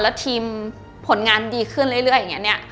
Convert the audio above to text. แล้วทีมผลงานดีขึ้นเรื่อยอย่างนี้เนี่ย